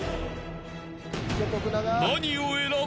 ［何を選ぶ？］